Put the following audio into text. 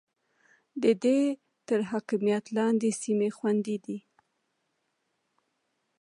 د ده تر حاکميت لاندې سيمې خوندي دي.